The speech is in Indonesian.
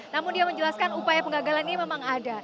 namun dia menjelaskan upaya pengagalan ini memang ada